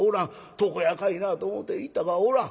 床屋かいなあと思て行ったがおらん。